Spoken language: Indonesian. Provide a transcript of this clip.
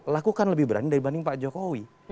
lakukan lebih berani dibanding pak jokowi